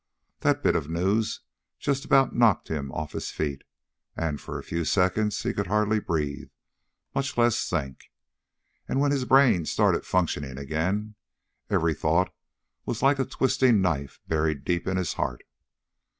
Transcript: _ That bit of news just about knocked him off his feet, and for a few seconds he could hardly breathe, much less think. And when his brain started functioning again, every thought was like a twisting knife buried deep in his heart.